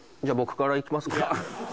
じゃあ僕からいきますか？